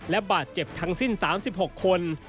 และบาดเจ็บทั้งสิบสามสิบหกคน